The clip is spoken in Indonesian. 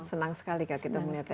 senang sekali kak kita melihat ya